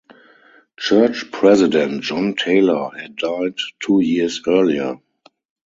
Church president John Taylor had died two years earlier.